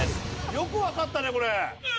よくわかったねこれ。